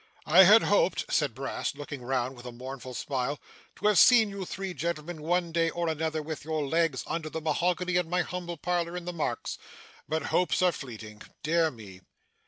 I had hoped,' said Brass, looking round with a mournful smile, 'to have seen you three gentlemen, one day or another, with your legs under the mahogany in my humble parlour in the Marks. But hopes are fleeting. Dear me!